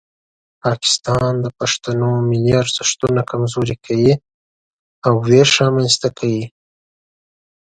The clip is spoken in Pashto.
پاکستان د پښتنو ملي ارزښتونه کمزوري کوي او ویش رامنځته کوي.